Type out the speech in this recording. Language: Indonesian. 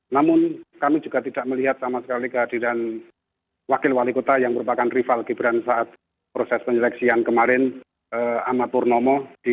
namun kami juga tidak melihat sama sekali kehadiran wakil wali kota yang merupakan rival gibran saat proses penyeleksian kemarin ahmad purnomo